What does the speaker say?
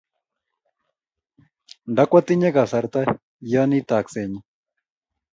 Ndakwatinye kasar taa yani taakset nyi.